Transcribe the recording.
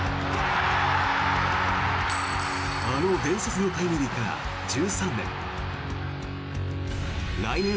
あの伝説のタイムリーから１３年。